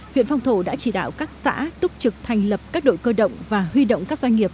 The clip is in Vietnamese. huyện phong thổ đã chỉ đạo các xã túc trực thành lập các đội cơ động và huy động các doanh nghiệp